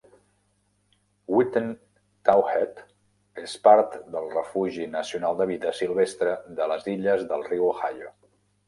Witten Towhead és part del refugi nacional de vida silvestre de les illes del riu Ohio.